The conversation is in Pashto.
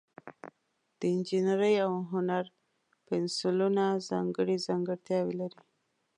د انجینرۍ او هنر پنسلونه ځانګړي ځانګړتیاوې لري.